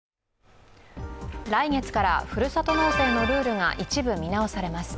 来月からふるさと納税のルールが一部見直されます。